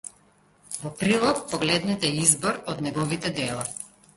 Во прилог погледнете избор од неговите дела.